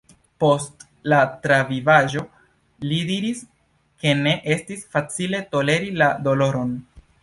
Post la travivaĵo, li diris, ke ne estis facile toleri la doloron.